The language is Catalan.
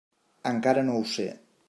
Encara no ho sé.